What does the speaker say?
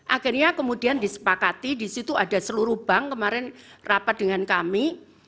akhirnya kemudian disepakati di situ ada seluruh bank kemarin rapat dengan kami